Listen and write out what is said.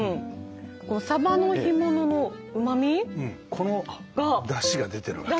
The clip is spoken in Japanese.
この出汁が出てるわけよ。